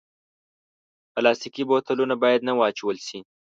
پلاستيکي بوتلونه باید نه واچول شي.